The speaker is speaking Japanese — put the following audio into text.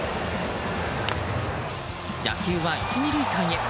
打球は１、２塁間へ。